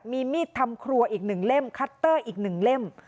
มีมีดทำครัวอีกหนึ่งเล่มคัตเตอร์อีกหนึ่งเล่ม